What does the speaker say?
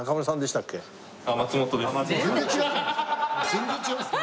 全然違いますね。